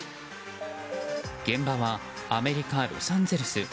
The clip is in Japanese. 現場はアメリカ・ロサンゼルス。